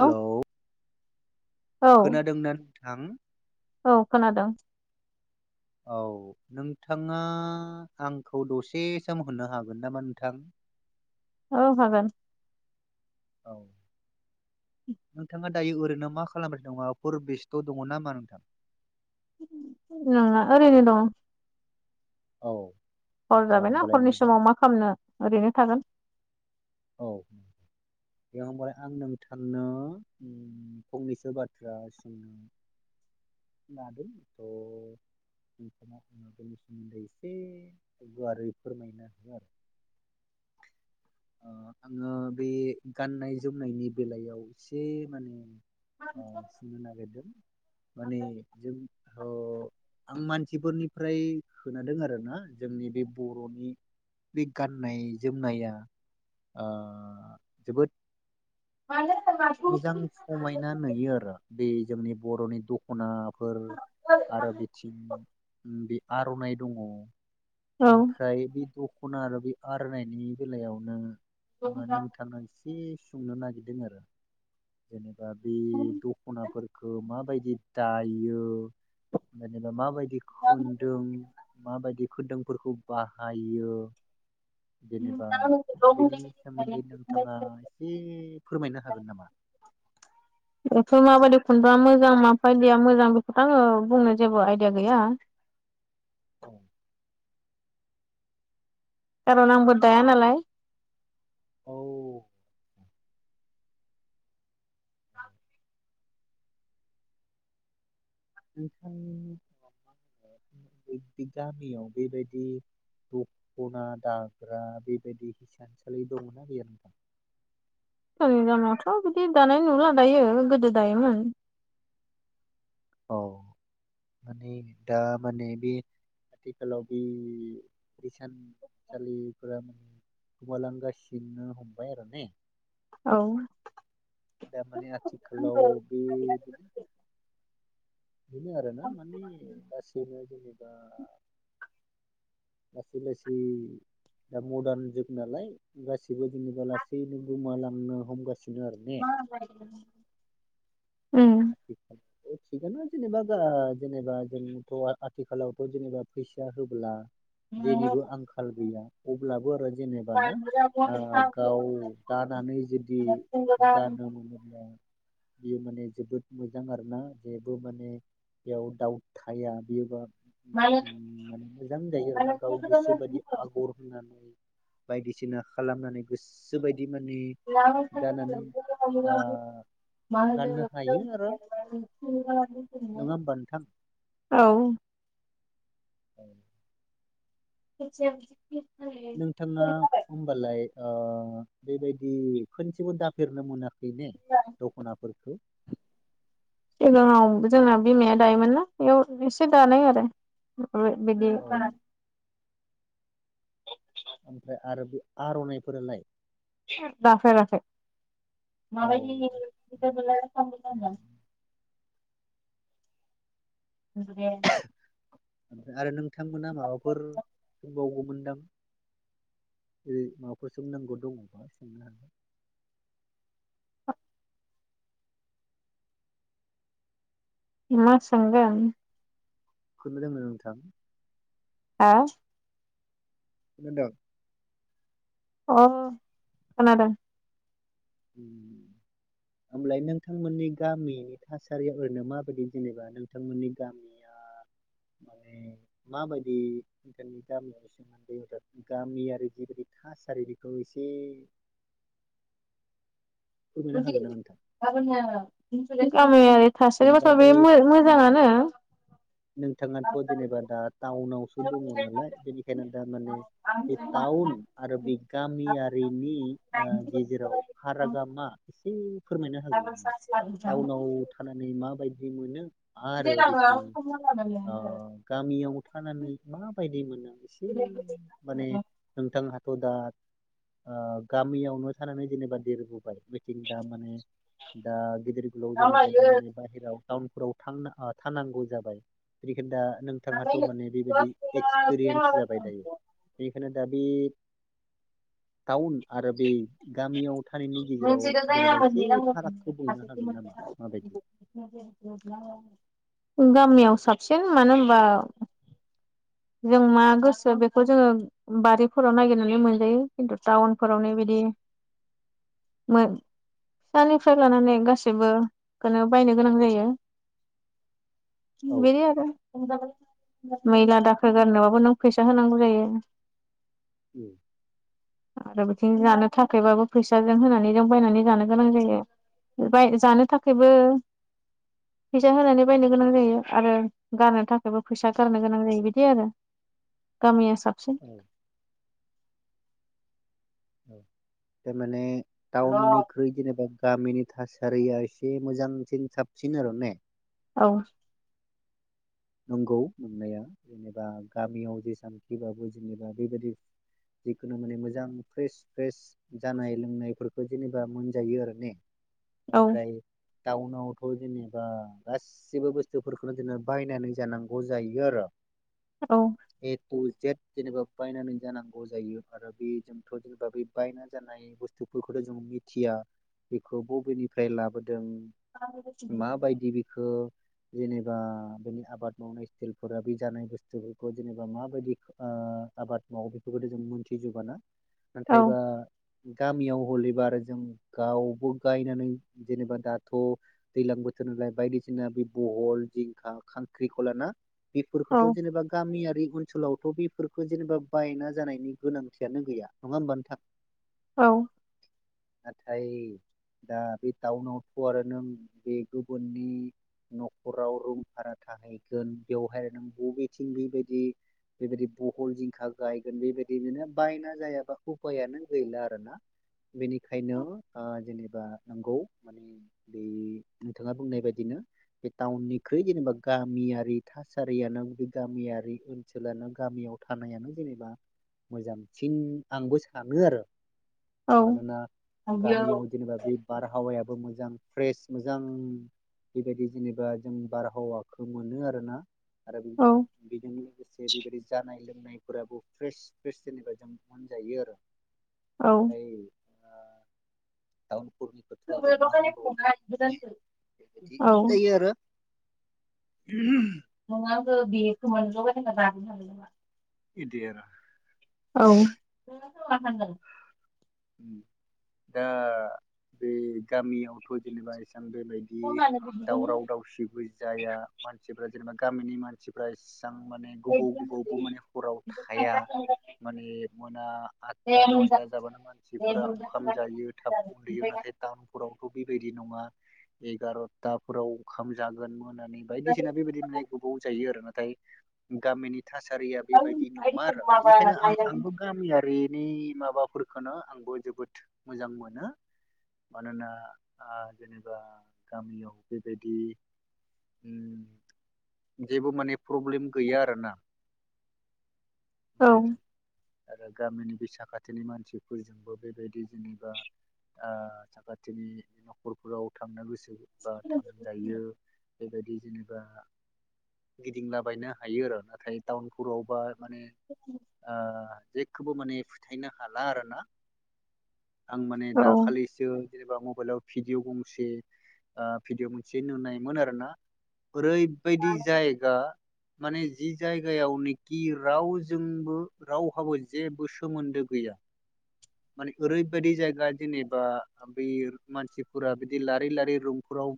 औ औ खोनादों ना? थां औ खोनादों। औ नोंथाङा आंखौ दसे सम होनो हागोन नामा नोंथां? औ हागोन। औ नोंथाङा दायो ओरैनो मा खालामबाय दं माबाफोर बेस्ट' दङ नामा? नंङा ओरैनो दं। औ। हर आदसा जाबायना होमबालाय हरनि मोजां समाव मा खालामनो ओरैनो थागोन। औ बे होमबालाय आं नोंथांनो फंनैसो बाथ्रा सोंनो लादों थ' नोंथाङा आ बेनिफोरनि सोमोन्दै एसे गुवारै फोरमायनो हो आरो ओ आङो बे गाननाय जोमनायनि बेलायाव एसे माने ओ सिनो नागेददों। माने जों ओ आं मानसिफोरनिफ्राय खोनादों आरोना जोंनि बे बर'नि बे गाननाय जोमनाया आं जोबोद मोजां समायना नुयो आरो बे जोंनि बर'नि द दख'नाफोर आरो बिथिं बे आर'नाइ दङ औ ओमफ्राय बिखौ दख'ना आरो बि आर'नाइनि बेलायावनो आङो नोंथांनो सि इदि सुंनो नागिरदों आरो दा बे दख'नाफोरखौ माबाय उम दायो जेनेबा माबायदि खुनदुं माबायदि खोदोमफोरखौ बाहायो जेनेबा बेनि सोमोन्दै नोंथाङा एसे फोरमायनो हागोन नामा बेफोर माबायदि खुन्दुंआ मोजां माफायदिया मोजां बेखौथ' आङो बुंनो जेबो आइदिया गैया औ कारन आंबो दाया नालाय औ नोंथां गामियाव बेबायदि दख'ना दाग्रा बेबायदि हिसानसालि दंङोना गैया नोंथां जोंनि गामियावथ' बिदि दानाय नुला दायो गोदो दायोमोन औ माने दा माने बे आथिखालाव बे हिसानसालिफोरा माने गोमालांगासिनो हमबाय आरो ने औ दारमाने आथिखालाव बे बेनो आरोना माने गासैबो जेरै दा लासै लासै दा मदार्न जुग नालाय गासिबो जेनेबा लासैनो गोमालांनो हमगासिनो आरो ने मा आ [inaudible] थिगानो जेनेबा जेनेबा जोंथ' आथिखालावथ' जेनेबा फैसा होब्ला जेनिबो आंखाल गैया अब्लाबो जेनेब ना ओ गाव दानानै जुदि गानो मोनोब्ला बियो माने जोबोद मोजां आरोना जेबो माने बेयाव दाउट थाया बियोबा माने मोजां जायो आरो ना गाव गोसो बायदि आगर होननानै बायदिसिना खालामनानै गोसोबायदि ओ गाननो हायो आरो नङा होमबा नोंथां [unintelligible] औ [inaudible] [unintelligible] नोंथाङा होमबालाय ओ बेबायदि खनसेबो दाफेरनो मोनाख खै ने दख'नाफोरखो सिगाङाव जोंना बिमाया दायोमोनना बेयाव एसे दानाय आरो। ओमफाय बिदि औ ओमफ्राय आरो बे आर'नाइफोरालाय दाफेराखै औ माबायदि [unintelligible] [unintelligible] आरो नों बिथांमोना माबाफोर दबावगौमोनदां ओरै माबाफोर सोंनांगौ दङबा सोंनो हागोन। मा सोंगोन। [unintelligible] नोंथां। हा? खोनादों? अ खोनादों। ओमब्लाय नोंथांमोननि गामिनि थासारिया ओरैनो माबायदि जेनेबा नोंथांमोननि गामिया माने माबायदि नोंथांनि गामियाव सोमोन्दै गामियारि जिबायदि थासारि बेखौ एसे फोरमायनो हागोन नामा नोंथां? [unintelligible] [unintelligible] जेनेबा बे नोंथाङाथ' जेनेबा दा टाउन नावसो दङ नालाय बेनिखायनो दा माने बे टाउन आरो बे गामियारिनि ओ गेजेराव ओ फारागा मा? उम। [unintelligible] थानानै माबायदि मोनो? आरो बिथिं ओ गामियाव थानानै माबायदि मोनो एसे माने नोंथांहाथ' दा ओ गामियावनो थानानै जेनेबा देरबोबाय बिथिं दा माने दा गेदेर लाव जानाय फ्राय दा माने बाहेराव टाउनफोराव थां थानांगौ जाबाय बेनिखायनो दा नोंथाङाथ' माने बेबायदि एक्सपिरियेन्स जाबाय दायो। बेखायनो दा बे टाउन आरो बे गामियाव थानायनि गेजेराव जेनेबा एसे फारागखौ बुंनो हागोन नामा? माबायदि [inaudible] गामियाव साबसिन मानो होनबा जों मा गोसो बेखौ जोङो बारिफोराव नागिरनानै मोनजायो खिन्थु टाउनफोरावनो बिदि मोन फिसानिफ्राय लानानै गासैबोखौनो बायनो गोनां जायो। औ बेनो आरो। मैला दा खोल गारनोबाबो नों फैसा होनांगौ जायो। उम। आरो बिथिं जानो थाखायबाबो फैसाजों होनानै जों बायनानै जानो गोनां जायो जानो थाखायबो फैसा होनानै बायनो गोनां जायो आरो गारनो थाखायबो फैसा गारनो गोनां जायो बिदि आरो गामिया साबसिन। औ माने टाउननिख्रै जेनेबा गामिनि थासारिया एसे मोजांसिन साबसिन आर' ने। औ। नंगौ मोननाया जेनेबा गामियाव जेसांखिबाबो जेनेबा बेबायदि जिखुनु माने मोजां फ्रेस फ्रेस जानाय लोंनायफोरखौ जेनेबा मोनजायो आरो ने। औ ओमफ्राय टाउनावथ' जेनेबा गासिबो बुस्थुफोरखौनो जोङो बायनानै जानांगौ जायो आरो औ ए तु जेथ जेनेबा बायनानै जानांगौ जायो आरो बे जोंथ' जेनेबा बे बायना जानाय बुस्थुफोरखौथ' जों मिथिया बेखौ बबेनिफ्राय लाबो दों माबायदि बेखो जेनेबा बेनि आबाद मावनाय स्टिलफोरा बे जानाय बुस्थुफोरखौ जेनेबा माबायदि आ आबाद मावो बेफोरखौथ' जों मोनथिजोबा ना। औ नाथाय बा गामियाव हलैबा आरो जों गावबो गायनानै जेनेबा दाथ' दैलां बोथोर नालाय बायदिसिना बे बहल, जिंखा, खां ख्रिख'ला ना। बेफोरखोथ' जेनेबा गामिआ रि ओनसोलावथ' बेफोरखो जेनेबा बायना जानायनि गोनांथियानो गैया। नङा होमबा नोंथां? औ। नाथाय दा बे टाउनावथ' आरो नों बे गुबुननि न'खराव रुम भारा थाहैगोन बेवहाय नों बबेथिं बेबायदि बेबायदि बहल जिंखा गायगोन बेबायदिनो नो बायना जायाबा उफायानो गैला आरो ना। बेनिखायनो आ जेनेबा नंगौ माने बे नोंथाङा बुंनाय बायदिनो बे टाउननिख्रुइ जेनेबा गामियारि थासारियानो बे गामियारि ओनसोलानो गामियाव थानायानो जेनेबा मोजांसिन आंबो सानो आरो मानोना गामियाव जेनेबा बे बारहावायाबो मो जां फ्रेस मोजां बेबायदि जेनेबा जों बारहावा खो मोनो आरो ना। आरो औ बेजों लोगोसे बेबायदि जानाय लों नायफोराबो फ्रेस फ्रेस जेनेबा जों मोनजायो आरो नाथाय ओं। बेबायदि [unintelligible] औ जायो आरो [unintelligible] [unintelligible] लानो हागोन नामा? बिदि आरो औ। उम दा बे गामियावथ' जेनेबा एसे बेबायदि दावराव दावसिबो जाया मानसिफ्रा जेनेबा गामिनि मानसिफ्रा मोजां माने गोबाव गोबावबो माने हराव थाया माने मोना आतथा नयथा जाबानो माने बेफोराव ओंखाम जायो थाब उन्दुयो नाथाय दाम थ बेबायदि नङा एगार'थाफोराव ओंखाम जागोन मोन नानै बायदिसिना बेबायदि गोबाव जायो आरो ना गाय गामिनि थासारिया बेबायदि नङा आरो बेनिखायनो आं आंबो गामियारि नि माबाफोरखौनो आंबो जोबोद मोजां मोनो मानोना ओ जेनेबा गामियाव बेबायदि उम जेबो माने प्रब्लेम गैया आरोना बेबादि आरो गामिनि बे साखाथिनि मानसि फोरजोंबो बेबायदि जेनेबा ओ साखाथिनि न'खरफोराव थांनो गोसो बा थांजायो बेबायदि जेनेबा गिदिंलाबायनो हायो आरो नाथाय टाउनफोरावबा माने आ जेखौबो माने फोथायनो हाला आरो ना आं माने औ दाखालिसो जेनेबा मबाइलाव भिडिअ' नुसै भिदिअ' मोनसे नुनायमोन आरो ना ओरैबायदि जायगा माने जि जायगायावनोखि रावजोंबो रावहाबो जेबो सोमोन्दो गैया माने ओरैबायदि जायगा जेनेबा बे मानसिफोरा बिदि लारि लारि रुमफोराव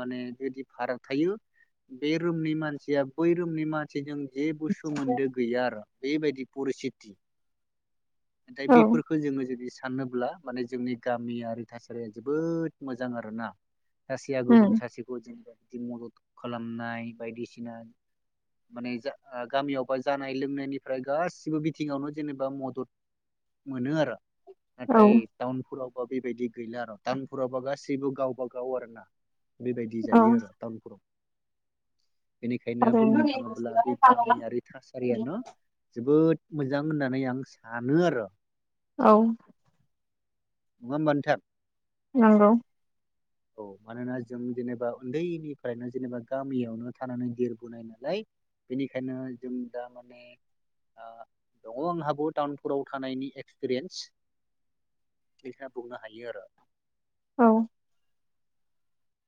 माने बिदि फारा थायो बे रुमनि मानसिया बै रुमनि मानसिजों जेबो सोमोन्दो गैया आरो बेबायदि परिसिति नाथाय औ बेफोरखौ जोङो जुदि सा साननोब्ला माने जोंनि गामियारि थासारिया जोबोद मोजां आरो ना। सासिया गुबुन उम सासिखौ जों बिदि मदद खालामनाय बायदिसिना माने जा गामियावबा जानाय लोंनायनिफ्राय गासिबो बिथिङावनो जेनेबा मदद मोनो आरो औ नाथाय टाउनफुराव बेबायदि गैला आरो टाउनफुरावबा गासैबो गावबा गाव आरो ना? बेबायदि औ जायो आरो टाउनफुराव। बेनिखायनो आरो बुंनो थाङोब्ला बे गामियारि थासारियानो जोबोद मोजां होननानै आंस सानो आरो औ। नङा होमबा नोंथां? नंगौ। औ मानोना, जों जेनेबा उन्दैनिफ्रायनो जेनेबा गामियावनो थानानै देरबोनाय नालाय बेनिखायनो जों दा माने आ दङ' आंहा बहुत। टाउनपुराव थानायनि एक्सपिरियेन्स बेखा बुंनो हायो आरो औ।